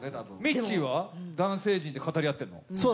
ミッチーは男性陣で語り合ってるの？